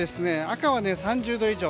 赤は３０度以上。